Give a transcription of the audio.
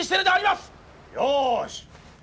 よし！